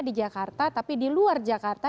di jakarta tapi di luar jakarta